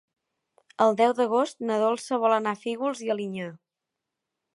El deu d'agost na Dolça vol anar a Fígols i Alinyà.